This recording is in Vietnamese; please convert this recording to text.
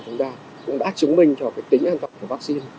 chúng ta cũng đã chứng minh cho tính an toàn của vắc xin